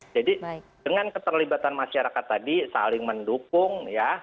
jadi dengan keterlibatan masyarakat tadi saling mendukung ya